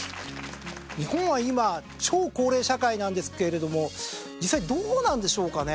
日本は今超高齢社会なんですけれども実際どうなんでしょうかね。